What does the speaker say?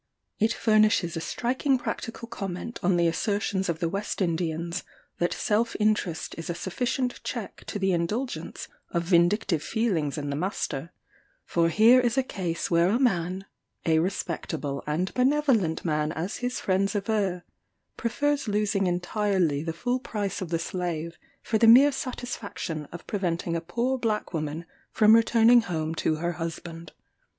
It furnishes a striking practical comment on the assertions of the West Indians that self interest is a sufficient check to the indulgence of vindictive feelings in the master; for here is a case where a man (a respectable and benevolent man as his friends aver,) prefers losing entirely the full price of the slave, for the mere satisfaction of preventing a poor black woman from returning home to her husband!